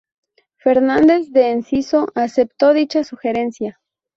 Fernández de Enciso aceptó dicha sugerencia.